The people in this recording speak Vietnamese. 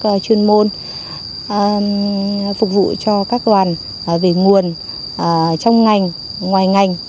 cho công tác chuyên môn phục vụ cho các đoàn về nguồn trong ngành ngoài ngành